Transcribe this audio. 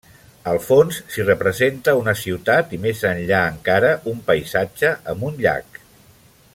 Al fons s'hi representa una ciutat i més enllà encara un paisatge amb un llac.